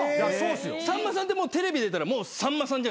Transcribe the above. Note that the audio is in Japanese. さんまさんってテレビ出たらもうさんまさんじゃないですか。